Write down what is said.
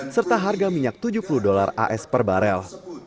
serta harga minyak tujuh puluh dolar as per barel